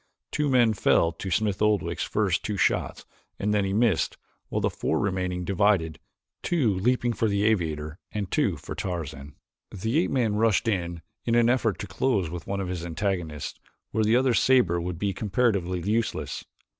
Two men fell to Smith Oldwick's first two shots and then he missed, while the four remaining divided, two leaping for the aviator and two for Tarzan. The ape man rushed in in an effort to close with one of his antagonists where the other's saber would be comparatively useless.